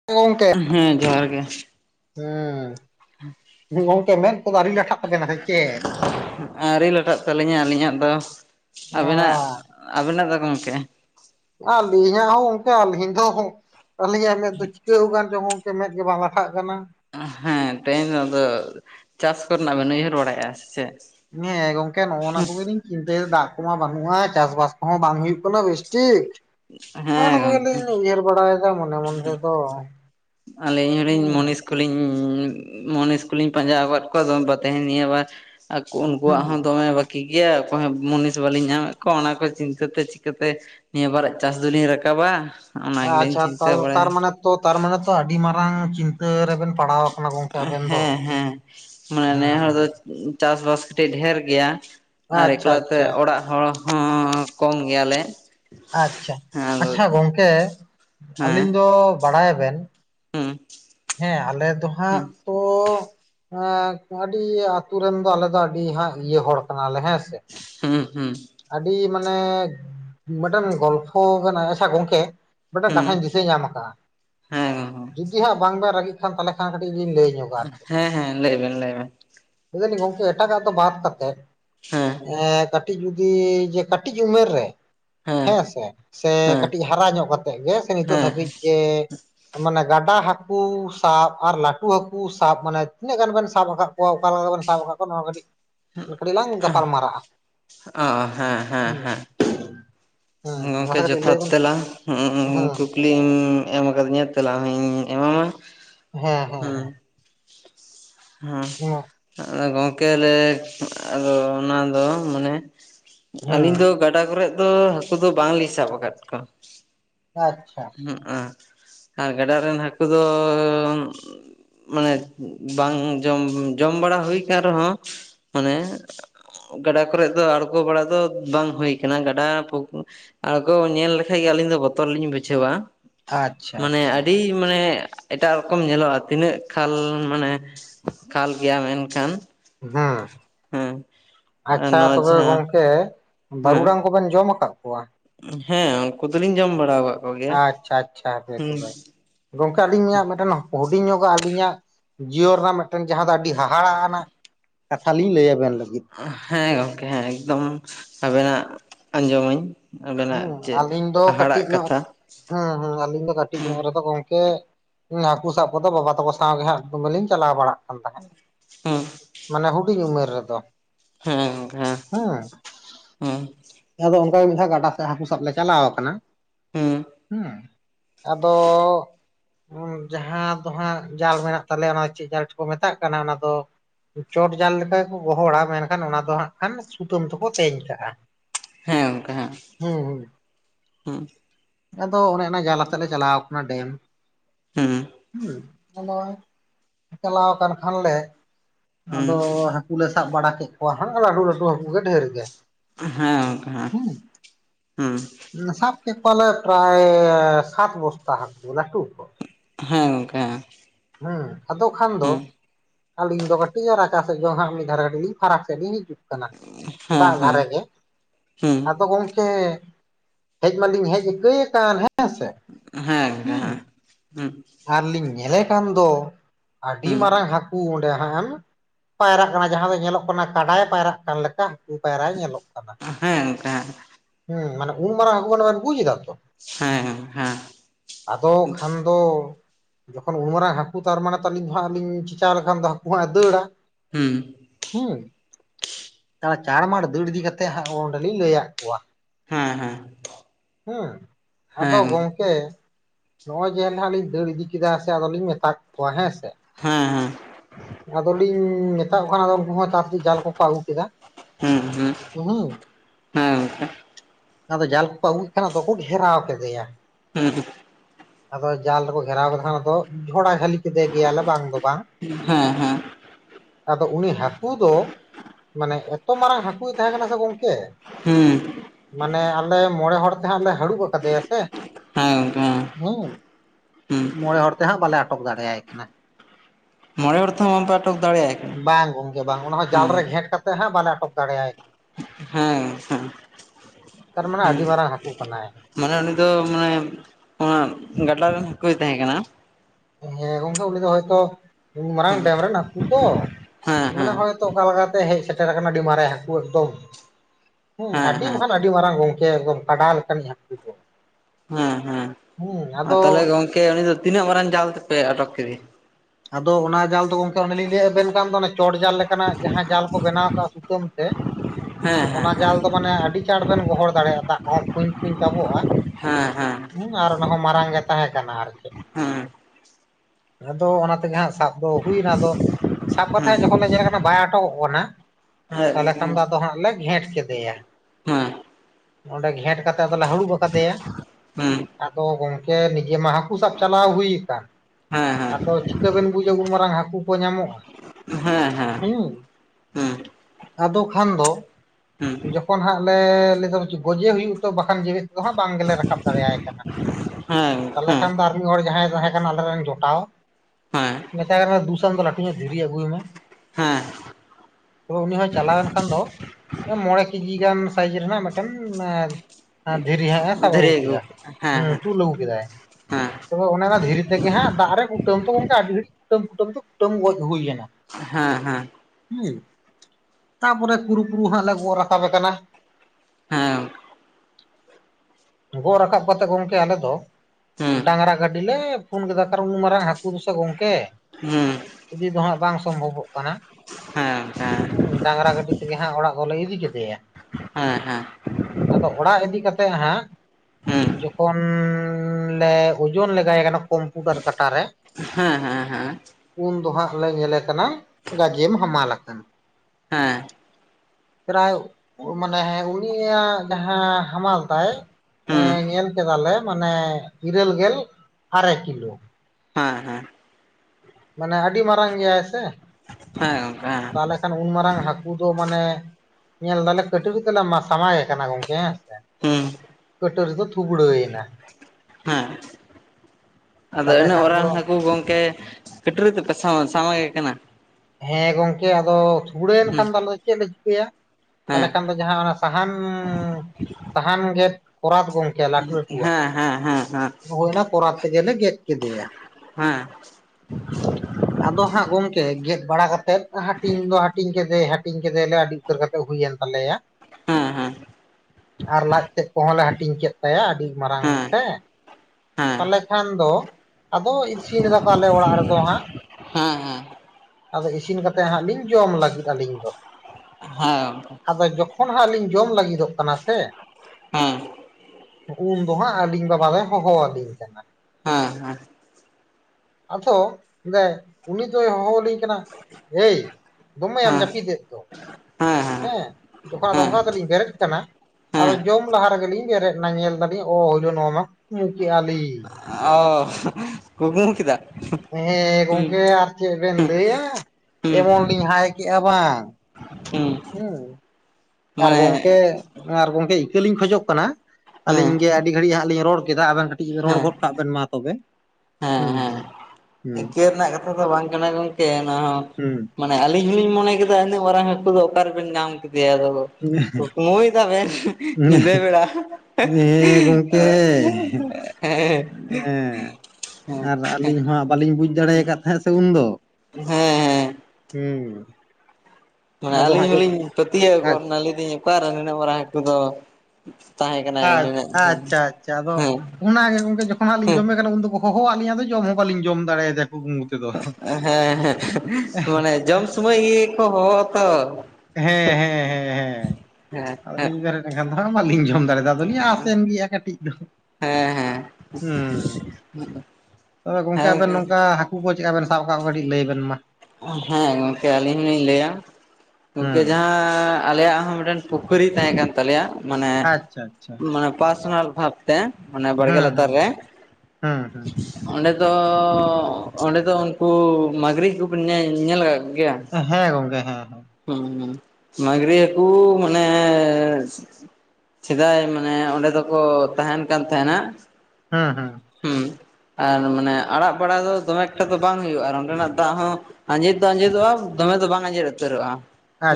[inaudible] ᱦᱮᱸ ᱡᱚᱸᱦᱟᱨ ᱜᱮ, ᱦᱮᱸ ᱜᱚᱝᱠᱮ ᱢᱮᱫ ᱠᱚᱫᱚ ᱟᱹᱣᱨᱤ ᱞᱟᱴᱷᱟᱜ ᱛᱟᱵᱮᱱᱟ ᱥᱮ ᱪᱮᱫ? ᱟᱹᱣᱨᱤ ᱞᱟᱴᱷᱟᱜ ᱛᱟᱹᱞᱤᱧᱟ ᱟᱹᱞᱤᱧᱟᱜ ᱫᱚ ᱟᱹᱵᱤᱱᱟᱜ, ᱦᱮᱸ ᱟᱹᱵᱤᱱᱟᱜ ᱫᱚ ᱜᱚᱝᱠᱮ? ᱟᱹᱞᱤᱧᱦᱚ ᱚᱱᱠᱟ ᱟᱹᱞᱤᱧᱟᱫ ᱜ ᱟᱹᱞᱤᱧᱟ ᱢᱮᱫ ᱫᱚ ᱪᱤᱠᱟᱹᱣ ᱜᱚᱝ ᱠᱮ ᱢᱮᱫ ᱜᱮ ᱵᱟᱝ ᱞᱟᱴᱷᱟᱜ ᱠᱟᱱᱟ᱾ ᱦᱮᱸ ᱛᱮᱦᱮᱧ ᱟᱫᱚ ᱪᱟᱥ ᱠᱚᱨᱮᱱᱟᱜ ᱵᱮᱱ ᱩᱭᱦᱟᱹᱨ ᱵᱟᱲᱟᱭᱮᱜᱼᱟ ᱥᱮᱥᱮᱜ? ᱧᱮᱸ ᱜᱚᱝᱠᱮ ᱱᱚᱜᱼᱚᱱᱟ ᱠᱚ ᱜᱮᱞᱤᱧ ᱪᱤᱱᱛᱟᱹᱭ ᱫᱟᱜ ᱠᱚᱢᱟ ᱵᱟᱹᱱᱩᱜᱼᱟ ᱪᱟᱥ-ᱵᱟᱥ ᱠᱚᱦᱚᱸ ᱵᱟᱝ ᱦᱩᱭᱩᱜ ᱠᱟᱱᱟ ᱵᱮᱥᱴᱷᱤᱠ᱾ ᱦᱮᱸ ᱚᱱᱟ ᱠᱚ ᱜᱚᱢᱠᱮ ᱜᱮᱞᱤᱧ ᱩᱭᱦᱟᱹᱨ ᱵᱟᱲᱟᱭᱮᱫᱟ ᱢᱚᱱᱮ ᱢᱚᱱᱮ ᱛᱮᱫᱚ᱾ ᱟᱞᱤᱧ ᱦᱚᱸᱞᱤᱧ ᱦᱮᱸ ᱢᱩᱱᱤᱥ ᱠᱚᱞᱤᱧ ᱢᱚᱱᱤᱥ ᱠᱩᱞᱤᱧ ᱯᱟᱸᱡᱟ ᱟᱠᱟᱫ ᱠᱚᱣᱟ [unintelligible] ᱛᱮᱦᱤᱧ ᱱᱤᱭᱟᱹᱵᱟᱨ, ᱟᱠ ᱦᱮᱸ ᱩᱱᱠᱩᱣᱟᱜ ᱦᱚᱸ ᱫᱚᱢᱮ ᱵᱟᱠ ᱠᱤ ᱜᱮᱭᱟ ᱚᱠᱚᱭ ᱦᱚᱸ ᱢᱩᱱᱤᱥ ᱵᱟᱹᱞᱤᱧ ᱧᱟᱢᱮᱜ ᱠᱚᱣᱟ ᱚᱱᱟ ᱠᱚ ᱪᱤᱱᱛᱟᱹᱛᱮ ᱪᱤᱠᱟᱹᱛᱮ, ᱱᱤᱭᱟᱹᱵᱟᱨ-ᱟᱜ ᱪᱟᱥ ᱫᱩᱞᱤᱧ ᱨᱟᱠᱟᱵᱟ᱾ ᱚᱱᱟ ᱜᱮᱞᱤᱧ ᱟᱪᱷᱟ ᱪᱤᱱᱛᱟᱹ ᱵᱟᱲᱟᱭᱟ ᱛᱟᱨᱢᱟᱱᱮ ᱛᱚ ᱛᱟᱨᱢᱟᱱᱮ ᱛᱚ ᱟᱹᱰᱤ ᱢᱟᱨᱟᱝ ᱪᱤᱱᱛᱟᱹ ᱨᱮᱵᱮᱱ ᱯᱟᱲᱟᱣ ᱟᱠᱟᱱᱟ ᱜᱚᱝᱠᱮ ᱟᱵᱮᱱ ᱫᱚ᱾ ᱦᱮᱸ-ᱦᱮᱸ, ᱢᱟᱱᱮ ᱱᱮ ᱦᱚᱲ ᱦᱮᱸ ᱫᱚ ᱦᱩ, ᱪᱟᱥᱵᱟᱥ ᱠᱟᱹᱴᱤᱡ ᱰᱷᱮᱨ ᱜᱮᱭᱟ ᱟᱨ ᱟᱪᱪᱷᱟ ᱮᱠᱞᱟᱛᱮ ᱟᱪᱪᱷᱟ ᱚᱲᱟᱜ ᱦᱚᱲ ᱦᱚᱸ ᱠᱚᱢ ᱜᱮᱭᱟᱞᱮ ᱟᱪ-ᱪᱷᱟ, ᱦᱮᱸ ᱟᱪ-ᱪᱷᱟ ᱜᱚᱝᱠᱮ ᱟᱹᱞᱤᱧ ᱫᱚ ᱵᱟᱲᱟᱭᱟ ᱵᱮᱱ ᱦᱩ ᱦᱮᱸ, ᱟᱞᱮ ᱫᱚ ᱦᱟᱸᱜ ᱛᱚ ᱻ ᱮᱸ-ᱜ, ᱟᱹᱰᱤ ᱟᱛᱩ ᱨᱮᱱ ᱫᱚ ᱟᱞᱮ ᱫᱚ ᱟᱹᱰᱤ ᱦᱟᱸᱜ ᱤᱭᱟᱹ ᱦᱚᱲ ᱠᱟᱱᱟᱞᱮ ᱦᱮᱸᱥᱮ ᱾ ᱴᱷᱤᱝ ᱦᱩ ᱴᱷᱚᱡ ᱦᱩ ᱾ ᱟᱰᱤ ᱢᱟᱱᱮ ᱢᱤᱫᱴᱟᱱ ᱜᱚᱞᱯᱷᱚ ᱠᱟᱱᱟ ᱟᱪᱷᱟ ᱜᱚᱝᱠᱮ? ᱢᱤᱫᱴᱟᱝ ᱦᱩᱸ ᱠᱟᱛᱷᱟᱧ ᱫᱤᱥᱟᱹ ᱧᱟᱢ ᱟᱠᱟ ᱜᱼᱟ ᱦᱮᱸ ᱡᱩᱫᱤ ᱦᱟᱸᱜ ᱵᱟᱝ ᱵᱮᱱ ᱨᱟᱹᱜᱤᱜ? ᱠᱷᱟᱱ ᱛᱟᱞᱦᱮ ᱠᱷᱟᱱ ᱠᱟᱹᱴᱤᱡ ᱞᱤᱧ ᱞᱟᱹᱭ ᱧᱚᱜᱼᱟ ᱟᱨ ᱪᱮᱜ ᱦᱮᱸ ᱦᱮᱸ ᱞᱟᱹᱭ ᱵᱮᱱ ᱞᱟᱹᱭ ᱵᱮᱱ ᱾ ᱞᱟᱹᱭ ᱫᱟᱞᱤᱧ ᱜᱚᱝᱠᱮ ᱮᱴᱟᱜᱟᱜ ᱫᱚ ᱵᱟᱫᱽ ᱠᱟᱛᱮᱫ, ᱦᱮᱸ ᱮᱸ ᱠᱟᱴ ᱴᱤᱡ ᱡᱩᱫᱤ ᱡᱮ ᱠᱟᱹᱴᱤᱡ ᱩᱢᱮᱹᱨ ᱨᱮ ᱦᱮᱸ ᱥᱮ, ᱥᱮ ᱦᱮᱸ ᱠᱟᱹᱴᱤᱡ ᱦᱟᱨᱟ ᱧᱚᱜ ᱠᱟᱛᱮᱜ ᱜᱮ ᱥᱮ ᱱᱤᱛᱚᱜ ᱫᱷᱟᱹᱵᱤᱡ ᱦᱮᱸ ᱜᱮ ᱢᱟᱱᱮ ᱜᱟᱰᱟ ᱦᱟᱠ ᱠᱩ ᱥᱟᱵ ᱟᱨ ᱞᱟᱹᱴᱩ ᱦᱟᱹᱠᱩ ᱥᱟᱵ ᱢᱟᱱᱮ ᱛᱤᱱᱟᱹᱜ ᱜᱟᱱ ᱵᱮᱱ ᱥᱟᱵ ᱟᱠᱟᱫ ᱠᱚᱣᱟ ᱚᱠᱟ ᱞᱮᱠᱟ ᱵᱮᱱ ᱥᱟᱵ ᱟᱠᱟᱫ ᱠᱚᱣᱟ ᱱᱚᱣᱟ ᱠᱟᱹᱴᱤᱡ ᱠᱟᱹᱴᱤᱡ ᱞᱟᱝ ᱜᱟᱯᱟᱞ ᱢᱟᱨᱟᱜᱼᱟ, ᱚ ᱦᱮᱸ ᱦᱮᱸ ᱦᱩᱸ ᱦᱮᱸ ᱦᱮᱸ ᱜᱚᱝᱠᱮ ᱢᱟᱥᱮ ᱠᱟᱹᱴᱤᱡ ᱞᱟᱹᱭ ᱡᱚᱛᱷᱟᱛ ᱵᱮᱱ ᱛᱮᱞᱟ ᱦᱮᱸ ᱩᱸᱻ ᱦᱮᱸ ᱠᱩᱠ ᱞᱤᱢᱻ ᱮᱢ ᱟᱠᱟᱫᱤᱧᱟ ᱛᱮᱞᱟ ᱦᱚᱧ ᱮᱢᱟᱢᱟ ᱾ ᱦᱮᱸ ᱦᱩᱸ ᱦᱮᱸ ᱼ ᱦᱟᱸ ᱦᱮᱸ ᱟᱫᱚ ᱜᱚᱝᱠᱮ ᱞᱮ--ᱮ ᱟᱫᱚ ᱚᱱᱟ ᱫᱚ ᱢᱟᱱᱮ ᱦᱮᱸ ᱟᱹᱞᱤᱧ ᱫᱚ ᱜᱟᱰᱟ ᱠᱚᱨᱮᱜ ᱫᱚ ᱦᱟᱠᱩ ᱫᱚ ᱵᱟᱝ ᱞᱤᱧ ᱥᱟᱵ ᱟᱠᱟᱫ ᱠᱚᱣᱟ ᱟᱪ-ᱪᱷᱟ ᱾ ᱦᱩᱸᱜ-ᱟ, ᱟᱨ ᱜᱟᱰᱟ ᱨᱮᱱ ᱦᱟᱠᱳ ᱫᱚ ᱢᱟᱱᱮ ᱵᱟᱝ ᱡᱚᱢ, ᱡᱚᱢ ᱵᱟᱲᱟ ᱦᱩᱭ ᱠᱟᱱ ᱨᱮᱦᱚᱸ ᱢᱟᱱᱮ ᱩ-ᱷ-ᱦ, ᱜᱟᱰᱟ ᱠᱚᱨᱮᱜ ᱫᱚ ᱟᱬᱜᱚ ᱵᱟᱲᱟ ᱫᱚ ᱵᱟᱝ ᱦᱳᱭ ᱠᱟᱱᱟ ᱜᱟᱰᱟ ᱯᱷᱩ ᱟᱬᱜᱚ ᱧᱮᱞ ᱞᱮᱠᱷᱟᱱ ᱜᱮ ᱟᱹᱞᱤᱧ ᱫᱚ ᱵᱚᱛᱚᱨ ᱞᱤᱧ ᱵᱩᱡᱷᱟᱹᱣ ᱟ ᱟᱪᱪᱷᱟ ᱢᱟᱱᱮ ᱟᱪᱪᱷᱟ ᱟᱰᱤ ᱢᱟᱱᱮ ᱮᱴᱟᱜ ᱨᱚᱠᱚᱢ ᱧᱮᱞᱚᱜᱼᱟ ᱛᱤᱱᱟᱹᱜ ᱠᱷᱟᱞ ᱢᱟᱱᱮ ᱠᱷᱟᱞ ᱜᱮᱭᱟ ᱢᱮᱱᱠᱷᱟᱱ ᱦᱟᱸ, ᱦᱮᱸ ᱟᱪ-ᱪᱷᱟ ᱱᱚᱣᱟ ᱛᱚᱵᱮ ᱡᱟᱦᱟᱸ ᱜᱚᱝᱠᱮ ᱦᱮᱸ ᱵᱟᱹᱨᱩᱰᱟᱝ ᱠᱚᱵᱮᱱ ᱡᱚᱢ ᱟᱠᱟᱫᱜ ᱠᱚᱣᱟ? ᱦᱮᱸ ᱩᱱᱠᱩ ᱫᱚᱞᱤᱧ ᱡᱚᱢ ᱵᱟᱲᱟᱣ ᱟᱜ ᱾ ᱟᱪ-ᱪᱷᱟ ᱟᱪ-ᱪᱷᱟ ᱦᱟᱯᱮ ᱛᱚᱵᱮ, ᱜᱚᱝᱠᱮ ᱟᱞᱤᱧᱟᱜ ᱢᱤᱫᱴᱮᱱ ᱦᱩᱰᱤᱧ ᱧᱚᱜᱟᱜ ᱟᱞᱤᱧᱟᱜ ᱡᱤᱭᱚᱱ ᱨᱮᱱᱟᱜ ᱢᱤᱫᱴᱮᱱ ᱡᱟᱦᱟᱸ ᱫᱚ ᱟᱰᱤ ᱦᱟᱦᱟᱲᱟᱜ ᱟᱱᱟᱜ ᱠᱟᱛᱷᱟ ᱞᱤᱧ ᱞᱟᱹᱭ ᱟᱵᱮᱱ ᱞᱟᱹᱜᱤᱫ ᱦᱮᱸ ᱜᱚᱢᱠᱮ ᱦᱮᱸ ᱮᱠᱫᱚᱢ ᱟᱵᱮᱱᱟᱜ ᱟᱸᱡᱚᱢᱟᱹᱧ ᱾ ᱦᱩᱸ ᱟᱞᱤᱧ ᱫᱚ ᱠᱟᱴᱤᱡ ᱧᱚᱜ, ᱦᱮᱸ ᱦᱮᱸ ᱟᱞᱤᱧ ᱫᱚ ᱠᱟᱴᱤᱡ ᱦᱩᱸ ᱧᱚᱜ ᱨᱮᱫᱚ ᱜᱚᱝᱠᱮ ᱦᱮᱸ ᱦᱟᱠᱩ ᱥᱟᱵ ᱠᱚᱫᱚ ᱵᱟᱵᱟ ᱛᱟᱠᱚ ᱥᱟᱶ ᱜᱮ ᱦᱟᱸᱜ ᱫᱚᱢᱮ ᱞᱤᱧ ᱪᱟᱞᱟᱣ ᱵᱟᱲᱟᱜ ᱠᱟᱱ ᱛᱟᱦᱮᱸᱜ ᱦᱩᱸ ᱢᱟᱱᱮ ᱦᱩᱰᱤᱧ ᱩᱢᱮᱹᱨ ᱨᱮᱫᱚ ᱾ ᱦᱮᱸᱜ ᱾ ᱦᱮᱸᱦ-ᱦᱚᱪᱚᱜ ᱾ ᱦᱩᱸ ᱪᱤᱭᱳᱜ ᱾ ᱟᱫᱚ ᱚᱱᱠᱟ ᱜᱮ ᱢᱤᱫ ᱫᱷᱟᱣ ᱜᱟᱰᱟ ᱥᱮᱜ ᱦᱟᱠᱩ ᱥᱟᱵ ᱞᱮ ᱪᱟᱞᱟᱣ ᱟᱠᱟᱱᱟ ᱦᱩᱸ ᱦᱮᱸᱩ ᱟᱫᱚᱜ ᱡᱟᱦᱟᱸ ᱫᱚ ᱦᱟᱸᱜ ᱡᱟᱞ ᱢᱮᱱᱟᱜ ᱛᱟᱞᱮᱭᱟ ᱚᱱᱟ ᱪᱮᱜ ᱡᱟᱞ ᱪᱚᱠᱚ ᱢᱮᱛᱟᱜ ᱠᱟᱱᱟ ᱚᱱᱟ ᱫᱚ ᱪᱚᱴ ᱡᱟᱞ ᱞᱮᱠᱟ ᱜᱮᱠᱚ ᱜᱚᱦᱚᱲᱟ ᱢᱮᱱᱠᱷᱟᱱ ᱚᱱᱟ ᱫᱚ ᱦᱟᱸᱜ ᱠᱷᱟᱱ ᱥᱩᱛᱟᱹᱢ ᱛᱮᱠᱚ ᱛᱮᱹᱧ ᱠᱟᱜᱼᱟ ᱾ ᱦᱮᱸ ᱜᱚᱢᱠᱮ ᱦᱮᱸ ᱦᱩᱸ ᱦᱩᱸ ᱦᱩᱸ ᱟᱫᱚ ᱚᱱᱮ ᱚᱱᱟ ᱡᱟᱞᱟᱜ ᱞᱮ ᱪᱟᱞᱟᱣ ᱠᱟᱱᱟ ᱰᱮᱢᱼᱼ ᱦᱩᱸ ᱦᱮᱸ ᱟᱫᱚ ᱪᱟᱞᱟᱣ ᱟᱠᱟᱱ ᱠᱷᱟᱱᱞᱮᱼᱼ ᱦᱩᱸ ᱟᱫᱚ ᱦᱟᱹᱠᱩ ᱞᱮ ᱥᱟᱵ ᱵᱟᱲᱟ ᱠᱮᱫ ᱠᱚᱣᱟ ᱦᱟᱸᱜ ᱞᱟᱹᱴᱩ ᱞᱟᱹᱴᱩ ᱦᱟᱠᱩ ᱜᱮ ᱰᱷᱮᱨ ᱜᱮᱼᱼ ᱦᱮᱸ ᱜᱚᱢᱠᱮ ᱦᱮᱼᱼ ᱦᱩᱸᱼᱼ ᱦᱮᱸ ᱥᱟᱯ ᱠᱮᱠ ᱯᱟᱞᱮ ᱯᱨᱟᱭ ᱥᱟᱛ ᱵᱚᱥᱛᱟ ᱦᱟᱹᱠᱩ ᱞᱟᱹᱴᱤ ᱦᱟᱹᱠᱩ ᱠᱚᱼᱼ ᱦᱮᱸᱼᱼ ᱜᱚᱢᱠᱮ ᱦᱮᱸ ᱦᱮᱸ ᱟᱫᱚ ᱠᱷᱟᱱ ᱫᱚ ᱦᱩᱸ ᱟᱹᱞᱤᱧ ᱫᱚ ᱠᱟᱹᱴᱤᱡ ᱨᱟᱪᱟ ᱥᱮᱫ ᱡᱚᱝ ᱦᱟᱸᱜ ᱢᱤᱫ ᱫᱷᱟᱨᱮ ᱞᱤᱧ ᱯᱷᱟᱨᱟᱠ ᱥᱮᱫ ᱞᱤᱧ ᱦᱤᱡᱩᱜ ᱠᱟᱱᱟ᱾ ᱦᱮᱸ ᱫᱟᱜ ᱦᱮᱸ ᱫᱷᱟᱨᱮ ᱜᱮ ᱦᱩᱸ ᱟᱫᱚ ᱜᱚᱢᱠᱮ ᱦᱮᱡ ᱢᱟᱞᱤᱧ ᱦᱮᱡ ᱟᱹᱤᱠᱟᱹ ᱟᱠᱟᱱ ᱦᱮᱸ ᱥᱮ ᱦᱮᱸ ᱦᱮᱸ ᱦᱩᱸ ᱟᱨᱞᱤᱧ ᱧᱮᱞᱮ ᱠᱟᱱᱟᱱ ᱫᱚ ᱟᱹᱰᱤ ᱦᱩᱸ ᱦᱮᱸ ᱢᱟᱨᱟᱝ ᱜᱚᱝᱠᱮ ᱦᱟᱹᱠᱩ ᱚᱸᱰᱮ ᱦᱟᱸᱜᱼᱼ ᱯᱟᱭᱨᱟᱜ ᱠᱟᱱᱟ ᱡᱟᱦᱟᱸ ᱫᱚ ᱧᱮᱞᱚᱜ ᱠᱟᱱᱟ ᱠᱟᱰᱟᱭ ᱯᱟᱭᱨᱟᱜ ᱠᱟᱱ ᱞᱮᱠᱟ ᱦᱟᱠᱩ ᱯᱟᱭᱨᱟᱭ ᱧᱮᱞᱚᱜ ᱠᱟᱱᱟ᱾ ᱦᱮᱸ ᱜᱚᱝᱠᱮ ᱦᱮᱸ ᱦᱩᱸ ᱢᱟᱱᱮ ᱩᱱ ᱢᱟᱨᱟ ᱦᱟᱹᱠᱩ ᱢᱟᱱᱮ ᱵᱮᱱ ᱵᱩᱡ ᱫᱚ ᱦᱮᱸ ᱦᱮᱸ ᱦᱮᱸ ᱟᱫᱚ ᱠᱷᱟᱱ ᱫᱚᱼᱼ ᱡᱚᱠᱷᱚᱱ ᱩᱱᱢᱟᱝ ᱦᱟᱹᱠᱩ ᱛᱟᱨᱢᱟᱱᱮᱞᱤᱧ ᱫᱚ ᱦᱜ ᱞᱤᱧ ᱪᱮᱤᱠᱠᱟᱣ ᱞᱮᱠᱷᱟᱱ ᱫᱚ ᱦᱟᱹᱠᱩ ᱦᱟᱸᱜ ᱮ ᱫᱟᱹᱲᱟ ᱦᱮᱸ ᱦᱩᱸ ᱛᱟᱦᱮ ᱪᱟᱟᱲ ᱢᱟᱟᱲ ᱫᱟᱹᱲ ᱤᱫᱤ ᱠᱟᱛᱮᱜ ᱦᱟᱸᱜ ᱚᱸᱰᱮᱞᱤᱧ ᱞᱟᱹᱭᱟᱫ ᱠᱚᱣᱟ᱾ ᱦᱮᱸ ᱦᱮᱸ᱾ ᱦᱮᱸ ᱟᱫᱚ ᱦᱮᱸ ᱜᱚᱝᱠᱮᱼᱼ ᱱᱚᱜᱼᱚᱭ ᱡᱮ ᱱᱟᱦᱜ ᱞᱤ ᱫᱟᱹᱲ ᱤᱫᱤ ᱠᱮᱫᱟ ᱥᱮ ᱟᱫᱚᱚᱞᱤᱧ ᱢᱮᱛᱟ ᱠᱚᱣᱟ ᱦᱮᱸ ᱥᱮ, ᱦᱮᱸ ᱦᱮᱸ ᱟᱫᱚᱞᱤᱧ ᱢᱮᱛᱟᱜ ᱠᱚ ᱠᱟᱱᱟ ᱩᱱᱠᱩ ᱦᱚᱸ ᱪᱟᱥ ᱡᱟᱞ ᱠᱚᱠᱚ ᱟᱹᱜᱩ ᱠᱮᱫᱟ᱾ ᱦᱮᱸ ᱦᱩᱸ ᱦᱮᱸ ᱦᱮᱸ ᱟᱫᱚ ᱡᱟᱞ ᱠᱚᱠᱚ ᱟᱹᱜᱩᱭᱮᱫ ᱠᱷᱟᱱ ᱫᱚᱠᱚ ᱷᱷᱮᱨᱟᱣ ᱠᱮᱫᱮᱭᱟ᱾ ᱦᱩᱸ ᱟᱫᱚ ᱡᱟᱞ ᱨᱮᱠᱚ ᱜᱷᱮᱨᱟᱣ ᱠᱮᱫᱟᱱ ᱟᱫᱚ ᱡᱷᱚᱲᱟ ᱜᱷᱟᱹᱞᱤ ᱠᱮᱫᱮ ᱜᱮᱭᱟᱞᱮ ᱵᱟᱝ ᱫᱚ ᱵᱟᱝ᱾ ᱦᱮᱸ ᱦᱮᱸ ᱟᱫᱚ ᱩᱱᱤ ᱦᱟᱹᱠᱩ ᱫᱚ ᱢᱟᱱᱮ ᱮᱛᱚ ᱢᱟᱨᱟᱝ ᱦᱟᱹᱠᱩᱭ ᱛᱟᱦᱮᱸ ᱠᱟᱱᱟ ᱥᱮ ᱜᱚᱝᱠᱮ ᱦᱩᱸ ᱢᱟᱱᱮ ᱟᱞᱮ ᱢᱚᱬᱮᱸ ᱦᱚᱲᱼᱼ ᱛᱮᱦᱟᱸ ᱞᱮ ᱦᱟᱹᱨᱩᱵ ᱟᱠᱟᱫᱮᱭᱟ ᱥᱮ ᱦᱮ ᱜᱚᱝᱠᱮ ᱦᱮ ᱦᱮᱸ ᱢᱚᱬᱮᱸ ᱦᱚᱲ ᱛᱮᱦᱟᱸᱟᱜ ᱵᱟᱞᱮ ᱟᱴᱚᱠ ᱫᱟᱲᱮᱭᱟᱭ ᱠᱟᱱᱟ᱾ ᱢᱚᱬᱮ ᱛᱮᱦᱚᱸ ᱵᱟᱝᱞᱮ ᱟᱴᱚᱠ ᱫᱟᱟᱲᱮᱭᱟᱭ ᱠᱟᱱᱟ᱾ ᱵᱟᱝ ᱜᱚᱢᱠᱮ ᱵᱟᱝ ᱚᱱᱟ ᱦᱚᱸ ᱡᱟᱞ ᱦᱮᱸ ᱨᱮ ᱜᱷᱮᱫ ᱠᱟᱛᱮ ᱦᱟᱸᱜ ᱵᱟᱞᱮ ᱟᱴᱚᱠ ᱫᱟᱲᱮᱭᱟᱭ ᱠᱟᱱᱟ᱾ ᱦᱮᱸᱼᱼ ᱦᱮᱸ ᱛᱟᱨᱢᱟᱱᱮ ᱦᱮᱸ ᱟᱹᱰᱤ ᱢᱟᱨᱟᱝ ᱦᱟᱹᱠᱩ ᱠᱟᱱᱟᱭ᱾ ᱢᱟᱱᱮ ᱩᱱᱤ ᱫᱚ ᱢᱟᱱᱮ ᱚᱱᱟ ᱜᱟᱰᱞ ᱨᱮᱱ ᱦᱟᱹᱠᱩᱭ ᱛᱟᱦᱮᱸ ᱠᱟᱱᱟ᱾ ᱦᱮᱸ ᱜᱚᱝᱠᱮ ᱩᱱᱤ ᱫᱚ ᱦᱚᱭᱛᱚ ᱩᱱᱩᱱ ᱢᱟᱨᱟᱝ ᱰᱮᱢ ᱨᱮᱱ ᱦᱠᱩ ᱛᱚᱼᱼ ᱦᱮᱸ ᱢᱟᱱᱮ ᱦᱮᱸ ᱦᱚᱭᱛᱚ ᱚᱠᱟ ᱞᱮᱠᱟ ᱠᱟᱛᱮᱜ ᱦᱮᱡ ᱥᱮᱴᱮᱨ ᱟᱠᱟᱱᱟ ᱟᱹᱰᱤ ᱢᱟᱨᱮ ᱦᱟᱹᱠᱩ ᱮᱠᱫᱚᱢ᱾ ᱦᱩᱸ ᱦᱮᱸ ᱟᱹᱰᱤ ᱦᱮᱸ ᱵᱟᱠᱷᱟᱱ ᱟᱹᱰᱤ ᱢᱟᱨᱟᱝ ᱜᱚᱝᱠᱮ ᱮᱠᱫᱚᱢ ᱠᱟᱰᱟ ᱞᱮᱠᱟᱱᱤᱡ ᱦᱟᱹᱠᱩ ᱫᱚ᱾ ᱦᱮᱸ ᱦᱮᱸ᱾ ᱦᱩᱸ᱾ ᱟᱨ ᱟᱫᱚ ᱛᱟᱦᱚᱞᱮ ᱜᱚᱝᱠᱮ ᱩᱱᱤ ᱫᱚ ᱛᱤᱱᱟᱹᱜ ᱢᱟᱨᱟᱝ ᱡᱟᱞ ᱛᱮᱯᱮ ᱟᱴᱚᱠ ᱠᱮᱫᱮᱭᱟ? ᱟᱫᱚ ᱚᱱᱟ ᱡᱟᱞ ᱫᱚ ᱜᱚᱝᱠᱮ ᱚᱱᱮ ᱞᱤᱧ ᱞᱟᱹᱭᱟ ᱵᱮᱱ ᱠᱟᱱ ᱫᱚ ᱚᱱᱟ ᱪᱚᱴ ᱡᱟᱞ ᱞᱮᱠᱟᱱᱟᱜ ᱡᱟᱦᱟᱸ ᱡᱟᱞ ᱠᱚ ᱵᱮᱱᱟᱣ ᱠᱟᱜᱼᱟ ᱥᱩᱛᱟᱹᱢ ᱛᱮ, [inaudible] ᱦᱩᱸ ᱚᱱᱟ ᱦᱮᱸ ᱡᱟᱞ ᱫᱚ ᱢᱟᱱᱮ ᱟᱹᱰᱤ ᱪᱟᱬ ᱵᱮᱱ ᱜᱚᱦᱚᱲ ᱫᱟᱲᱮᱭᱟᱜᱼᱟ ᱫᱟᱜ ᱠᱚᱦᱚᱸ ᱠᱩᱧ ᱠᱩᱧ ᱛᱟᱵᱚᱜᱼᱟ᱾ ᱦᱮᱸ ᱦᱮᱸ ᱦᱮᱸ ᱦᱮᱸ ᱦᱮᱸ ᱦᱮᱸ ᱦᱩᱸ ᱟᱨ ᱚᱱᱟ ᱦᱚᱸ ᱢᱟᱨᱟᱝ ᱜᱮ ᱛᱟᱦᱮᱸ ᱠᱟᱱᱟ ᱟᱨᱠᱤ, ᱦᱮᱸ ᱟᱫᱚ ᱚᱱᱟ ᱛᱮᱜᱮ ᱦᱟᱸᱜ ᱥᱟᱵ ᱫᱚ ᱦᱩᱭᱱᱟ ᱟᱫᱚ ᱥᱟᱵ ᱠᱟᱛᱮ ᱦᱟᱸᱜ ᱡᱚᱠᱷᱚᱱ ᱞᱮ ᱧᱮᱞᱮ ᱠᱟᱱᱟ ᱵᱟᱭ ᱟᱴᱚᱠᱚᱜ ᱠᱟᱱᱟ ᱛᱟᱦᱚᱞᱮ ᱠᱷᱟᱱ ᱫᱚ ᱦᱮᱸ ᱦᱮᱸ ᱟᱫᱚ ᱦᱟᱸᱜ ᱞᱮ ᱜᱷᱮᱸᱴ ᱠᱮᱫᱮᱭᱟ᱾ ᱦᱮᱸ ᱦᱮᱸ ᱦᱮᱸ ᱚᱸᱰᱮ ᱜᱷᱮᱸᱴ ᱠᱟᱛᱮ ᱟᱫᱚ ᱞᱮ ᱦᱟᱹᱲᱩᱵ ᱟᱠᱟᱫᱮᱭᱟ᱾ ᱟᱫᱚ ᱜᱚᱝᱠᱮ ᱱᱤᱡᱮ ᱢᱟ ᱦᱟᱹᱠᱩ ᱥᱟᱵ ᱪᱟᱞᱟᱣ ᱦᱩᱭ ᱠᱟᱱ, ᱟᱫᱚ ᱪᱤ ᱠᱟᱹ ᱵᱮᱱ ᱵᱩᱡᱟ ᱩᱱ ᱢᱟᱨᱟᱝ ᱦᱟᱹᱠᱩ ᱠᱚ ᱧᱟᱢᱚᱜᱼᱟ, ᱦᱮᱸ ᱦᱮᱸ ᱦᱩ᱾ ᱟᱫᱚ ᱠᱷᱟᱱ ᱫᱚ ᱡᱚᱠᱷᱚᱱ ᱦᱟᱸᱜ ᱞᱮ ᱞᱟᱹᱭᱫᱟ ᱯᱟᱪᱮ ᱜᱚᱡᱮ ᱦᱩᱭᱩᱜ-ᱟ ᱛᱚ ᱵᱟᱠᱷᱟᱱ ᱡᱮᱣᱮᱛ ᱛᱮᱫᱚ ᱦᱟᱸᱜ ᱵᱟᱝᱜᱮᱞᱮ ᱨᱟᱠᱟᱵ ᱫᱟᱲᱮᱭᱟᱭ ᱠᱟᱱᱟ᱾ [inaudible] ᱛᱟᱞᱦᱮ ᱦᱮᱸ ᱠᱷᱟᱱ ᱫᱚ ᱟᱨ ᱢᱤᱫ ᱦᱚᱲ ᱡᱟᱦᱟᱸᱭᱮ ᱛᱟᱦᱮᱸ ᱠᱟᱱᱟ ᱟᱞᱮᱨᱮᱱ ᱡᱚᱴᱟᱣ ᱦᱮᱸ ᱢᱮᱛᱟᱭ ᱠᱟᱱᱟ ᱞᱮ ᱫᱩᱥᱮ ᱟᱢ ᱫᱚ ᱞᱟᱹᱴᱩ ᱧᱚᱜ ᱫᱷᱤᱨᱤ ᱟᱹᱜᱩᱭ ᱢᱮ᱾ ᱦᱮᱸ᱾ ᱛᱚᱵᱮ ᱩᱱᱤ ᱦᱚᱸᱭ ᱪᱟᱞᱟᱣ ᱮᱱ ᱠᱷᱟᱱ ᱫᱚ ᱮᱸ ᱢᱚᱬᱮ ᱠᱮᱡᱤ ᱜᱟᱱ ᱥᱟᱭᱤᱡ ᱨᱮᱱᱟᱜ ᱢᱤᱫᱴᱮᱱ ᱫᱷᱤᱨᱤ ᱦᱟᱸᱜ ᱮ ᱥᱟᱵ ᱟᱹᱜᱩ ᱫᱷᱤᱨᱤ ᱠᱮᱫᱟ᱾ ᱦᱩᱸ ᱦᱮᱸ ᱛᱩᱞ ᱟᱹᱜᱩ ᱠᱮᱫᱟᱭ ᱦᱮᱸ ᱛᱚᱵᱮ ᱚᱱᱮ ᱚᱱᱟ ᱫᱷᱤᱨᱤ ᱛᱮᱜᱮ ᱦᱟᱸᱜ ᱫᱟᱜ ᱨᱮ ᱠᱩᱴᱟᱹᱢ ᱛᱚ ᱠᱮ ᱟᱹᱰᱤ ᱜᱷᱟᱹᱲᱤᱡ ᱠᱩᱴᱟᱹᱢ ᱠᱩᱴᱟᱹᱢ ᱛᱮ ᱠᱩᱴᱟᱹᱢ ᱜᱚᱡ ᱦᱩᱭ ᱞᱮᱱᱟ᱾ ᱦᱮᱸ ᱦᱮᱸ᱾ ᱦᱩᱸ ᱛᱟᱯᱚᱨᱮ ᱠᱩᱨᱩ ᱠᱩᱨᱩ ᱦᱟᱸᱜ ᱞᱮ ᱜᱚᱜ ᱨᱟᱠᱟᱵᱮ ᱠᱟᱱᱟ᱾ ᱦᱮᱸ᱾ ᱜᱚᱜ ᱨᱟᱠᱟᱵ ᱠᱟᱛᱮ ᱜᱚᱝᱠᱮ ᱟᱞᱮ ᱫᱚ ᱦᱩᱸ ᱰᱟᱝᱨᱟ ᱜᱟᱹᱰᱤ ᱞᱮ ᱯᱷᱳᱱ ᱠᱮᱫᱟ ᱠᱟᱨᱚᱱ ᱩᱱ ᱢᱟᱨᱟᱝ ᱦᱟᱹᱠᱩ ᱫᱚ ᱜᱚᱝᱠᱮ ᱦᱩᱸ ᱤᱫᱤ ᱫᱚ ᱦᱟᱸᱜ ᱵᱟᱝ ᱥᱚᱢᱵᱷᱚᱵᱚᱜ ᱠᱟᱱᱟ᱾ ᱦᱮᱸ ᱦᱮᱸ᱾ ᱦᱩᱸ, ᱰᱟᱝᱨᱟ ᱜᱟᱹᱰᱤ ᱛᱮᱜᱮ ᱦᱟᱸᱜ ᱚᱲᱟᱜ ᱫᱚᱞᱮ ᱤᱫᱤ ᱠᱮᱫᱮᱭᱟ᱾ ᱦᱮᱸ ᱦᱮᱸ᱾ ᱟᱫᱚ ᱚᱲᱟᱜ ᱤᱫᱤ ᱠᱟᱛᱮᱜ ᱦᱟᱸᱜ ᱦᱩᱸ ᱡᱚᱠᱷᱚᱱ ᱞᱮ ᱳᱡᱚᱱ ᱞᱮᱜᱟᱭᱮ ᱠᱟᱱᱟ ᱠᱚᱢᱯᱩᱴᱟᱨ ᱠᱟᱴᱟ ᱨᱮ, ᱦᱮᱸ ᱦᱮᱸ ᱦᱮᱸ᱾ ᱩᱱ ᱫᱚ ᱦᱟᱸᱜ ᱞᱮ ᱧᱮᱞᱮ ᱠᱟᱱᱟ ᱜᱟᱡᱮᱢ ᱦᱟᱢᱟᱞᱟᱠᱟᱱ᱾ ᱮᱸ᱾ ᱯᱨᱟᱭ ᱢᱟᱱᱮ ᱩᱱᱤᱭᱟᱜ ᱡᱟᱦᱟᱸ ᱦᱟᱢᱟᱞ ᱛᱟᱭ, ᱦᱩᱸ ᱮᱸ ᱦᱮᱸ ᱦᱮᱸ ᱧᱮᱞ ᱠᱮᱫᱟ ᱞᱮ ᱢᱟᱱᱮ ᱤᱨᱟᱹᱞ ᱜᱮᱞ ᱟᱨᱮ ᱠᱤᱞᱳ᱾ ᱦᱮᱸ ᱦᱮᱸ᱾ ᱢᱟᱱᱮ ᱟᱹᱰᱤ ᱢᱟᱨᱟᱝ ᱜᱮᱭᱟᱭ ᱥᱮ᱾ ᱦᱮᱸ ᱜᱚᱝᱠᱮ ᱦᱮᱸ᱾ ᱛᱟᱦᱚᱞᱮ ᱠᱷᱟᱱ ᱩᱱ ᱢᱟᱨᱟᱝ ᱦᱟᱹᱠᱩ ᱫᱚ ᱢᱟᱱᱮ ᱧᱮᱞ ᱫᱟᱞᱮ ᱠᱟᱹᱴᱟᱹᱨᱤ ᱛᱮᱞᱮ ᱢᱟ ᱥᱟᱢᱟᱜᱮ ᱠᱟᱱᱟ ᱜᱚᱝᱠᱮ, ᱦᱮᱸ ᱥᱮ? ᱦᱮᱸ ᱦᱩᱸ ᱠᱟᱹᱴᱟᱹᱨᱤ ᱫᱚ ᱛᱷᱩᱵᱲᱟᱹ ᱮᱱᱟ᱾ ᱦᱮᱸ᱾ ᱟᱫᱚ ᱛᱟᱦᱚᱞᱮ ᱤᱱᱟᱜᱹ ᱠᱷᱟᱱ ᱫᱚ ᱢᱟᱨᱟᱝ ᱦᱟᱹᱠᱩ ᱜᱚᱝᱠᱮ, ᱠᱟᱹᱴᱟᱹᱨᱤ ᱛᱮᱯᱮ ᱥᱟ ᱥᱟᱢᱟᱜᱮ ᱠᱟᱱᱟ? ᱦᱮᱸ ᱜᱚᱝᱠᱮ, ᱟᱫᱚ ᱛᱷᱩᱵᱲᱟᱹᱭᱮᱱ ᱦᱩᱸ ᱠᱷᱟᱱ ᱫᱚ ᱟᱞᱮ ᱪᱮᱫ ᱞᱮ ᱪᱤᱠᱟᱹᱭᱟ? ᱦᱮᱸ ᱛᱟᱦᱚᱞᱮ ᱠᱷᱟᱱ ᱫᱚ, ᱡᱟᱦᱟᱸ ᱚᱱᱟ ᱥᱟᱦᱟᱱ- ᱥᱟᱦᱟᱱ ᱜᱮ ᱠᱚᱨᱟᱛ ᱜᱚᱢᱠᱮ ᱞᱟᱹᱴᱩ ᱞᱟᱹᱴᱩ᱾ ᱦᱮᱸ ᱦᱮᱸ ᱦᱮᱸ ᱦᱮᱸ᱾ ᱦᱩᱭ ᱚᱱᱟ ᱠᱚᱨᱟᱛ ᱛᱮᱜᱮᱞᱮ ᱜᱮᱫ ᱠᱮᱫᱮᱭᱟ᱾ ᱦᱮᱸ ᱾ ᱟᱫᱚ ᱦᱟᱸᱜ ᱜᱚᱢᱠᱮ, ᱜᱮᱫᱽ ᱵᱟᱲᱟ ᱠᱟᱛᱮᱫ ᱦᱟᱹᱴᱤᱧ ᱫᱚ ᱦᱟᱹᱴᱤᱧ ᱠᱮᱫᱮᱭ ᱦᱟᱹᱴᱤᱧ ᱠᱮᱫᱮ ᱭᱟᱞᱮ᱾ ᱟᱹᱰᱤ ᱩᱛᱟᱹᱨ ᱠᱟᱛᱮ ᱦᱩᱭᱮᱱ ᱛᱟᱞᱮᱭᱟ᱾ ᱦᱮᱸ ᱦᱮᱸ᱾ ᱟᱨ ᱞᱟᱡ ᱛᱮᱫ ᱠᱚᱦᱚᱸ ᱞᱮ ᱦᱟᱹᱴᱤᱧ ᱠᱮᱫ ᱛᱟᱭᱟ, ᱟᱹᱰᱤ ᱢᱟᱨᱟᱝ ᱦᱮᱸ ᱥᱮ ᱾ ᱛᱟᱦᱚᱞᱮ ᱠᱷᱟᱱ ᱫᱚ ᱟᱫᱚ ᱤᱥᱤᱱ ᱮᱫᱟ ᱠᱚ, ᱟᱞᱮ ᱚᱲᱟᱜ ᱨᱮᱫᱚ ᱦᱟᱸᱜ ᱾ ᱦᱮᱸ ᱦᱮᱸ᱾ ᱟᱫᱚ ᱤᱥᱤᱱ ᱠᱟᱛᱮᱫ ᱦᱟᱸᱜ ᱞᱤᱧ ᱡᱚᱢ ᱞᱟᱹᱜᱤᱫ ᱟᱹᱞᱤᱧ ᱫᱚ ᱾ ᱦᱮᱸ ᱦᱮᱸ ᱜᱚᱝᱠᱮ ᱦᱮᱸ ᱦᱮᱸ ᱦᱮᱸ ᱜᱚᱢᱠᱮ ᱾ ᱟᱫᱚ ᱡᱚᱠᱷᱚᱱ ᱦᱟᱸᱜ ᱞᱤᱧ ᱡᱚᱢ ᱞᱟᱹᱜᱤᱫᱚᱜ ᱠᱟᱱᱟ ᱥᱮ, ᱩᱱ ᱫᱚ ᱦᱟᱸᱜ ᱟᱹᱞᱤᱧ ᱵᱟᱵᱟ ᱫᱚᱭ ᱦᱚᱦᱚ ᱦᱟᱹᱞᱤᱧ ᱠᱟᱱᱟ ᱾ ᱦᱮᱸ ᱦᱮᱸ᱾ ᱟᱫᱚ ᱩᱱᱤ ᱫᱚᱭ ᱦᱚᱦᱚᱣᱟᱞᱤᱧ ᱠᱟᱱᱟ, ᱮᱭ ᱫᱚᱢᱮ ᱭᱟᱢ ᱡᱟᱹᱯᱤᱫᱮ ᱫᱚ᱾ ᱦᱮᱸ ᱦᱮᱸ ᱡᱚᱠᱷᱚᱱ ᱫᱚ ᱦᱮᱸ ᱚᱱᱠᱟ ᱫᱚᱞᱤᱧ ᱵᱮᱨᱮᱫ ᱟᱠᱟᱱᱟ᱾ ᱦᱮᱸ ᱟᱫᱚ ᱦᱮᱸ ᱡᱚᱢ ᱞᱟᱦᱟ ᱨᱮᱜᱮᱞᱤᱧ ᱵᱮᱨᱮᱫ ᱮᱱᱟ, ᱧᱮᱞ ᱫᱟᱞᱤᱧ ᱚ ᱦᱚᱭᱞᱳ ᱱᱚᱣᱟ ᱢᱟ ᱠᱩᱠᱢᱩ ᱠᱮᱼᱟ ᱞᱤᱧ᱾ ᱚ ᱠᱩᱠᱢᱩ ᱠᱮᱫᱟ ᱵᱤᱱ᱾ ᱦᱮᱸ ᱜᱚᱝᱠᱮ ᱟᱨ ᱪᱮᱫ ᱵᱮᱱ ᱞᱟᱹᱭᱟ, ᱦᱩᱸ ᱮᱢᱚᱱ ᱞᱤᱧ ᱦᱟᱭ ᱠᱮᱼᱟ ᱵᱟᱝ ᱾ ᱦᱩᱸ ᱦᱮᱸ ᱾ ᱟᱨ ᱢᱟᱱᱮ ᱜᱚᱢᱠᱮ ᱟᱨ ᱜᱚᱢᱠᱮ ᱤᱠᱟᱹᱞᱤᱧ ᱠᱷᱚᱡᱚᱜ ᱠᱟᱱᱟ᱾ ᱦᱮᱸ ᱟᱹᱞᱤᱧ ᱜᱮ ᱟᱹᱰᱤ ᱜᱷᱟᱹᱲᱤᱡ ᱦᱟᱸᱜ ᱞᱤᱧ ᱨᱚᱲ ᱠᱮᱫᱟ, ᱟᱵᱮᱱ ᱠᱟᱹᱴᱤᱡ ᱨᱚᱲ ᱦᱮᱸ ᱜᱚᱫ ᱠᱟᱜ ᱵᱮᱱ ᱢᱟ ᱛᱚᱵᱮ ᱾ ᱦᱮᱸ ᱦᱮᱸ, ᱤᱠᱟᱹ ᱨᱮᱱᱟᱜ ᱠᱟᱛᱷᱟ ᱫᱚ ᱵᱟᱝ ᱠᱟᱱᱟ ᱜᱚᱢᱠᱮ ᱚᱱᱟ ᱦᱚᱸ ᱦᱩᱸ ᱢᱟᱱᱮ ᱟᱹᱞᱤᱧ ᱦᱚᱞᱤᱧ ᱢᱚᱱᱮ ᱠᱮᱫᱟ, ᱤᱱᱟᱹᱜ ᱢᱟᱨᱟᱝ ᱦᱟᱹᱠᱩ ᱫᱚ ᱚᱠᱟᱨᱮᱵᱮᱱ ᱧᱟᱢ ᱠᱮᱫᱮᱭᱟ ᱟᱫᱚ ᱾ ᱴᱩᱠᱢᱩ ᱭᱮᱫᱟ ᱵᱤᱱ ᱦᱩᱸ ᱧᱤᱫᱟᱹ ᱵᱮᱲᱟ ᱾ ᱦᱮᱸ ᱜᱚᱝᱠᱮ ᱦᱮᱸ᱾ ᱦᱮᱸ ᱟᱨ ᱟᱹᱞᱤᱧ ᱦᱚᱸ ᱵᱟᱹᱞᱤᱧ ᱵᱩᱡ ᱫᱟᱲᱮᱠᱟᱫ ᱛᱟᱦᱮᱸᱫ ᱥᱮ ᱩᱱᱫᱚ ᱦᱮᱸ ᱾ ᱦᱮᱸ᱾ ᱢᱟᱱᱮ ᱟᱹᱞᱤᱧ ᱦᱚᱸᱞᱤᱧ ᱯᱟᱹᱛᱭᱟᱹᱣ ᱜᱚᱫ ᱱᱟᱹᱞᱤᱧ, ᱞᱟᱹᱭ ᱫᱟᱹᱧ ᱚᱠᱟᱨᱮ ᱱᱤᱱᱟᱹᱜ ᱢᱟᱨᱟᱝ ᱦᱟᱹᱠᱩ ᱫᱚ ᱛᱟᱦᱮᱸ ᱠᱟᱱᱟ᱾ ᱟᱪᱷᱟ ᱟᱪᱪᱷᱟ ᱟᱪᱪᱷᱟ᱾ ᱟᱫᱚ ᱚᱱᱟᱜ ᱜᱮ ᱜᱚᱝᱠᱮ ᱡᱚᱠᱷᱚᱱ ᱦᱟᱸᱜ ᱞᱤᱧ ᱦᱮᱸ ᱡᱚᱢᱮ ᱠᱟᱱᱟ ᱩᱱ ᱫᱚ ᱦᱚᱦᱚ ᱟᱫ ᱞᱤᱧᱟ, ᱟᱫᱚ ᱡᱚᱢ ᱦᱚᱸ ᱵᱟᱹᱞᱤᱧ ᱡᱚᱢ ᱫᱟᱲᱮᱭᱟᱫᱮᱭᱟ ᱠᱩᱠᱢᱩ ᱛᱮ ᱦᱮᱸ ᱦᱮ ᱢᱟᱱᱮ ᱡᱚᱢ ᱥᱚᱢᱚᱭ ᱤᱭᱟᱹ ᱠᱚ ᱦᱚᱦᱚᱼᱟ ᱛᱚ ᱦᱮᱸ ᱦᱮᱸ ᱦᱮᱸ ᱦᱮᱸ, ᱦᱮᱸ ᱦᱮᱸ ᱟᱫᱚᱞᱤᱧ ᱵᱮᱨᱮᱫ ᱮᱱᱠᱷᱟᱱ ᱫᱚ ᱦᱟᱜ ᱵᱟᱞᱤᱧ ᱡᱚᱢ ᱫᱟᱲᱮ ᱟᱫᱚᱞᱤᱧ ᱟᱸᱥᱮᱱ ᱜᱮᱭᱟ, ᱠᱟᱹᱴᱤᱡ ᱫᱚ ᱦᱮᱸ ᱦᱮᱸ ᱦᱮᱸ᱾ ᱛᱚᱵᱮ ᱜᱚᱝᱠᱮ ᱟᱵᱮᱱ ᱦᱮᱸ ᱱᱚᱝᱠᱟ, ᱦᱟᱹᱠᱩ ᱠᱚ ᱪᱮᱠᱟ ᱵᱮᱱ ᱥᱟᱵ ᱟᱠᱟᱫ ᱠᱚ ᱠᱟᱹᱴᱤᱡ ᱞᱟᱹᱭ ᱵᱤᱱ ᱢᱟ ᱾ ᱦᱮᱸ ᱜᱚᱝᱠᱮ ᱟᱹᱞᱤᱧ ᱞᱤᱧ ᱞᱟᱹᱭᱟ᱾ ᱜᱚᱝᱠᱮ ᱦᱩᱸ ᱡᱟᱦᱟᱸ ᱟᱞᱮᱭᱟᱜ ᱦᱚᱸ ᱮᱱ ᱯᱩᱠᱷᱨᱤ ᱛᱟᱦᱮᱸ ᱠᱟᱱ ᱛᱟᱞᱮᱭᱟ᱾ ᱢᱟᱱᱮ ᱟᱪᱪᱷᱟ ᱟᱪᱪᱷᱟ ᱢᱟᱱᱮ ᱯᱟᱨᱥᱚᱱᱟᱞ ᱵᱷᱟᱵ ᱢᱚᱱᱮ ᱵᱟᱲᱜᱮ ᱦᱩᱸ ᱞᱟᱛᱟᱨ ᱦᱩᱸ ᱨᱮ, ᱦᱩᱸ ᱦᱩᱸ ᱚᱸᱰᱮ ᱫᱚ, ᱚᱸᱰᱮ ᱫᱚ ᱩᱱᱠᱩ ᱢᱟᱹᱜᱽᱨᱤ ᱦᱟᱹᱠᱩ ᱵᱤᱱ ᱧᱮᱞ ᱟᱠᱟᱫ ᱠᱚ ᱜᱮᱭᱟ᱾ ᱦᱮᱸ ᱜᱚᱢᱠᱮ ᱦᱮᱸ ᱦᱮᱸ ᱦᱩᱸ ᱦᱩᱸ ᱢᱟᱜᱨᱤ ᱦᱟᱠᱩ ᱢᱟᱱᱮ ᱥᱮᱫᱟᱭ ᱢᱟᱱᱮ ᱚᱸᱰᱮ ᱫᱚᱠᱚ ᱛᱟᱦᱮᱸᱱ ᱠᱟᱱ ᱛᱟᱦᱮᱱᱟ᱾ ᱦᱮᱸ ᱦᱮᱸ ᱦᱮᱸ ᱟᱨ ᱢᱟᱱᱮ ᱟᱲᱟᱜ ᱵᱟᱲᱟ ᱫᱚ ᱫᱚᱢᱮ ᱮᱠᱴᱟ ᱫᱚ ᱵᱟᱝ ᱦᱩᱭᱩᱜᱼᱟ ᱟᱨ ᱚᱸᱰᱮᱱᱟᱜ ᱫᱟᱜ ᱦᱚᱸ᱾ ᱟᱸᱡᱮᱫ ᱫᱚ ᱟᱸᱡᱮᱫᱚᱜᱼᱟ ᱫᱚᱢᱮ ᱫᱚ ᱵᱟᱝ ᱟᱸᱡᱮᱫ ᱩᱛᱟᱹᱨᱚᱜ-ᱟ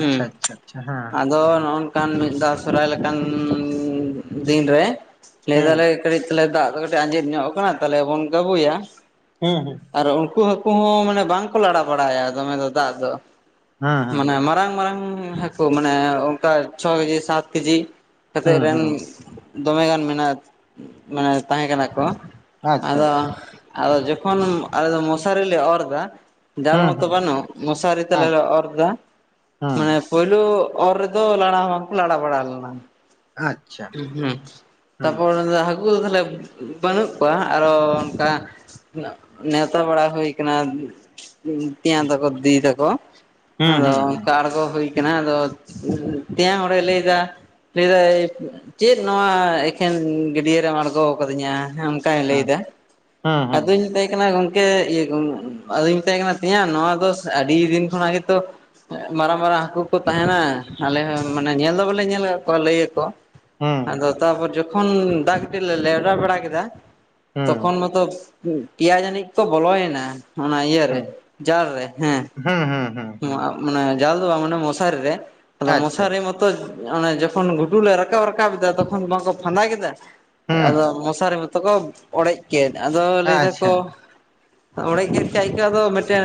ᱦᱩᱸ ᱟᱪᱪᱷᱟ ᱟᱪᱪᱷᱟ ᱦᱮᱸ ᱟᱫᱚ ᱱᱚᱜ ᱠᱟᱱ ᱢᱤᱫ ᱫᱷᱟᱣ ᱥᱚᱨᱦᱟᱭ ᱞᱮᱠᱟᱱ ᱫᱤᱱ ᱨᱮ ᱞᱟᱹᱭ ᱦᱮᱸ ᱦᱩᱸ ᱫᱟᱞᱮ ᱠᱟᱹᱴᱤᱡ ᱛᱟᱦᱞᱮ ᱫᱟᱜ ᱟᱸᱡᱮᱫ ᱧᱚᱜ ᱟᱠᱟᱱᱟ ᱛᱟᱦᱚᱞᱮ ᱵᱚᱱ ᱜᱟᱵᱩᱭᱟ, ᱦᱩᱸ ᱦᱩᱸ ᱟᱨ ᱩᱱᱠᱩ ᱦᱟᱹᱠᱩ ᱦᱚᱸ ᱢᱟᱱᱮ ᱵᱟᱝ ᱠᱚ ᱞᱟᱲᱟ ᱵᱟᱲᱟᱭᱟ ᱫᱚᱢᱮ ᱫᱚ ᱫᱟᱜ ᱫᱚ, ᱦᱩᱸ ᱦᱩᱸ ᱢᱟᱱᱮ ᱢᱟᱨᱟᱝ ᱢᱟᱨᱟᱝ ᱦᱟᱹᱠᱩ ᱢᱟᱱᱮ ᱚᱱᱠᱟ ᱪᱷᱚ ᱠᱮᱡᱤ ᱥᱟᱛ ᱠᱮᱡᱤ, ᱠᱟᱛᱮᱫ ᱦᱩᱸ ᱨᱮᱱ ᱦᱩᱸ ᱫᱚᱢᱮ ᱜᱟᱱ ᱢᱮᱱᱟᱜ ᱢᱟᱱᱮ ᱛᱟᱦᱮᱸ ᱠᱟᱱᱟ ᱠᱚ, ᱟᱪᱪᱷᱟ ᱟᱫᱚ ᱟᱪᱪᱷᱟ ᱟᱫᱚ ᱡᱚᱠᱷᱚᱱ ᱟᱞᱮ ᱫᱚ ᱢᱚᱥᱟᱨᱤ ᱞᱮ ᱚᱨ ᱮᱫᱟ᱾ ᱡᱟᱞ ᱦᱩᱸ ᱢᱟᱛᱚ ᱦᱩᱸ ᱵᱟᱹᱱᱩᱜ ᱢᱚᱥᱟᱨᱤ ᱛᱮᱞᱮ ᱟᱪ ᱚᱨᱫᱟ ᱦᱩᱸ ᱢᱟᱱᱮ, ᱯᱩᱭᱞᱩ ᱚᱨ ᱨᱮᱫᱚ ᱞᱟᱲᱟ ᱦᱚᱸ ᱵᱟᱠᱚ ᱞᱟᱲᱟ ᱵᱟᱲᱟ ᱞᱮᱱᱟ᱾ ᱟᱪ, ᱩᱦᱩᱜ ᱛᱟᱯᱚᱨ ᱦᱟᱹᱠᱩ ᱫᱚ ᱛᱟᱦᱞᱮ ᱵᱟᱹᱱᱩᱜ ᱠᱚᱣᱟ ᱟᱨᱚ ᱚᱱᱠᱟ, ᱱᱮᱶᱛᱟ ᱵᱟᱲᱟ ᱦᱩᱭ ᱠᱟᱱᱟ, ᱛᱮᱭᱟᱝ ᱛᱟᱠᱚ ᱫᱤᱫᱤ ᱛᱟᱠᱚ ᱦᱚᱸ ᱦᱩᱸ ᱦᱩᱸ ᱚᱱᱠᱟ ᱟᱲᱜᱚ ᱦᱩᱭ, ᱠᱟᱱᱟ ᱟᱫᱚ ᱛᱮᱭᱟᱝ ᱦᱚᱲᱮ ᱞᱟᱹᱭᱫᱟᱭ ᱞᱟᱹᱭᱫᱟᱭ, ᱪᱮᱫ ᱱᱚᱣᱟ ᱮᱠᱮᱱ ᱜᱟᱹᱰᱭᱟᱹ ᱨᱮᱢ ᱟᱬᱜᱚ ᱠᱟᱫᱤᱧᱟ, ᱚᱱᱠᱟᱭ ᱞᱟᱹᱭ ᱦᱩᱸ ᱮᱫᱟ ᱦᱩᱸ ᱦᱩᱸ ᱟᱫᱚᱧ ᱢᱮᱛᱟᱭ ᱠᱟᱱᱟ ᱜᱚᱝ, ᱟᱫᱚᱧ ᱢᱮᱛᱟᱭ ᱠᱟᱱᱟ ᱛᱮᱭᱟᱝ ᱱᱚᱣᱟ ᱫᱚ ᱟᱹᱰᱤ ᱫᱤᱱ ᱠᱷᱚᱱᱟᱜ ᱜᱮᱛᱚ᱾ ᱢᱟᱨᱟᱝ ᱢᱟᱨᱟᱝ ᱦᱟᱹᱠᱩ ᱠᱚ ᱛᱟᱦᱮᱱᱟ ᱟᱞᱮ ᱦᱚᱸ ᱢᱟᱱᱮ ᱧᱮᱞ ᱫᱚ ᱵᱟᱞᱮ ᱧᱮᱞ ᱟᱠᱟᱫ ᱠᱚᱣᱟ ᱞᱟᱹᱭ ᱟᱠᱚ᱾ ᱦᱩᱸ ᱟᱫᱚ ᱛᱟᱯᱚᱨ ᱡᱚᱠᱷᱚᱱ ᱫᱟᱜ ᱠᱟᱹᱴᱤᱡ ᱞᱮ ᱞᱮᱣᱨᱟ ᱵᱟᱲᱟ ᱠᱮᱫᱟ ᱦᱩᱸ ᱦᱩᱸ ᱛᱚᱠᱷᱚᱱ ᱢᱟᱛᱚ᱾ ᱯᱮᱸᱭᱟ ᱡᱟᱹᱱᱤᱡ ᱠᱚ ᱵᱚᱞᱚᱭᱮᱱᱟ ᱚᱱᱟ ᱤᱭᱟ ᱨᱮ ᱦᱩᱸ ᱡᱟᱞ ᱨᱮ ᱦᱮᱸ᱾ ᱦᱩᱸ ᱦᱩᱸ ᱦᱩᱸ᱾ ᱦᱩᱸ ᱢᱟᱱᱮ ᱡᱟᱞ ᱫᱚ ᱵᱟᱝ ᱢᱟᱱᱮ ᱢᱚᱥᱟᱨᱤ ᱨᱮ ᱟᱫᱚ ᱟᱪᱪᱷᱟ ᱢᱚᱥᱟᱨᱤ ᱟᱪᱪᱷᱟ ᱢᱚᱛᱚ᱾ ᱚᱱᱮ ᱡᱚᱠᱷᱚᱱ ᱜᱷᱩᱴᱩ ᱞᱮ ᱨᱟᱠᱟᱵ ᱨᱟᱠᱟᱵ ᱮᱫᱟ ᱛᱚᱠᱷᱚᱱ ᱵᱟᱝᱠᱚ ᱯᱷᱟᱫᱟ ᱠᱮᱫᱟ ᱦᱩᱸ ᱟᱫᱚ ᱢᱚᱥᱟᱨᱤ, ᱛᱚᱠᱚ ᱚᱲᱮᱡ ᱠᱮᱫ ᱟᱫᱚ ᱞᱟᱹᱭ ᱟᱪᱪᱷᱟ ᱫᱟᱠᱚ᱾ ᱚᱲᱮᱡ ᱜᱮᱫ ᱠᱷᱟᱱ ᱠᱚ ᱟᱫᱚ ᱢᱤᱫᱴᱮᱱ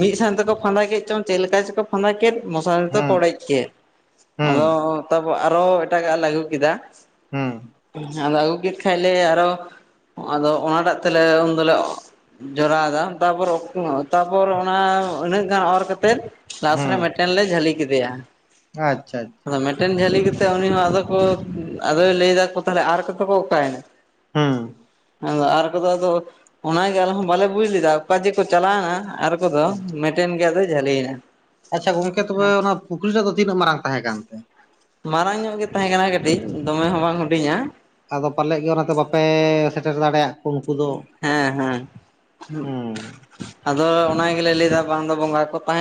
ᱢᱤᱫ ᱥᱟᱶ ᱛᱮᱠᱚ ᱯᱷᱟᱫᱟ ᱠᱮᱫ ᱪᱚᱝ ᱪᱮᱫ ᱞᱮᱠᱟ ᱪᱚᱠᱚ ᱯᱷᱟᱫᱟ ᱠᱮᱫ, ᱢᱚᱥᱟᱨᱤ ᱫᱚ ᱠᱚ ᱦᱩᱸ ᱚᱲᱮᱡ ᱠᱮᱫ ᱦᱩᱸ ᱟᱫᱚ ᱛᱟᱯᱚᱨ ᱟᱨᱚ ᱮᱴᱟᱜᱟᱞᱮ ᱟᱜᱩ ᱠᱮᱫᱟ, ᱦᱩᱸ ᱟᱫᱚ ᱟᱹᱜᱩ ᱠᱮᱫ ᱠᱷᱟᱡ ᱞᱮ ᱟᱨᱚ, ᱟᱫᱚ ᱚᱱᱟᱴᱟᱜ ᱛᱮᱞᱮ ᱩᱱ ᱫᱚᱞᱮ ᱚᱻ ᱡᱚᱨᱟᱣ ᱫᱟ ᱛᱟᱯᱚᱨ ᱩᱠᱩᱨ ᱛᱟᱯᱚᱨ ᱚᱱᱟ ᱩᱱᱟᱹᱜ᱾ ᱩᱱᱟᱹᱜ ᱜᱟᱱ ᱚᱨ ᱠᱟᱛᱮᱫ ᱞᱟᱥ ᱨᱮ ᱦᱩᱸ ᱢᱤᱫᱴᱮᱱ ᱞᱮ ᱡᱷᱟᱹᱞᱤ ᱠᱮᱫᱮᱭᱟ᱾ ᱟᱪᱪᱷᱟ ᱟᱪᱪᱷᱟ᱾ ᱟᱫᱚ ᱢᱤᱫᱴᱮᱱ ᱡᱷᱟᱹᱞᱤ ᱠᱟᱛᱮᱫ ᱩᱱᱤ ᱦᱚᱸ ᱟᱫᱚ ᱠᱚ ᱟᱫᱚᱭ ᱞᱟᱹᱭ ᱫᱟᱠᱚ ᱛᱟᱦᱚᱞᱮ ᱟᱨ ᱠᱚᱫᱚ ᱠᱚ ᱚᱠᱟᱭᱮᱱᱟ᱾ ᱦᱩᱸ ᱟᱫᱚ ᱟᱨ ᱠᱚᱫᱚ ᱟᱫᱚ ᱚᱱᱟ ᱜᱮ ᱟᱞᱮ ᱦᱚᱸ ᱵᱟᱞᱮ ᱵᱩᱡ ᱞᱮᱫᱟ ᱚᱠᱟ ᱡᱮᱠᱚ ᱪᱟᱞᱟᱣᱮᱱᱟ ᱟᱨ ᱠᱚᱫᱚ ᱢᱤᱫ ᱴᱮᱱ ᱜᱮ ᱟᱫᱚ ᱡᱷᱟᱞᱤᱭᱮᱱᱟ᱾ ᱟᱪᱪᱷᱟ ᱜᱚᱝᱠᱮ ᱛᱚᱵᱮ ᱚᱱᱟ ᱯᱩᱠᱷᱨᱤ ᱴᱟ ᱫᱚ ᱛᱤᱱᱟᱹᱜ ᱢᱟᱨᱟᱝ ᱛᱟᱦᱮᱸ ᱠᱟᱱ ᱛᱮ᱾ ᱢᱟᱨᱟᱝ ᱧᱚᱜ ᱜᱮ ᱛᱟᱦᱮᱸ ᱠᱟᱱᱟ ᱠᱟᱹᱴᱤᱡ ᱫᱚᱢᱮ ᱦᱚᱸ ᱵᱟᱝ ᱦᱩᱰᱤᱧᱟ᱾ ᱟᱫᱚ ᱯᱟᱞᱮᱫ ᱜᱮ ᱚᱱᱟᱛᱮ ᱵᱟᱯᱮ ᱥᱮᱴᱮᱨ ᱫᱟᱲᱮᱭᱟᱜ᱾ ᱠᱚ ᱩᱱᱠᱩ ᱫᱚ ᱦᱮᱸ ᱦᱮᱸᱼᱼ ᱦᱩᱸ ᱟᱫᱚ ᱚᱱᱟ ᱜᱮᱞᱮ ᱞᱟᱹᱭᱫᱟ ᱵᱟᱝ ᱫᱚ ᱵᱚᱸᱜᱟ ᱠᱚ ᱛᱟᱦᱮᱸᱱᱼᱼ